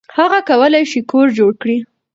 هغه کولی شي کور جوړ کړي.